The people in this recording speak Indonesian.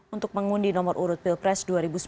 untuk mengundi nomor urut pilpres dua ribu sembilan belas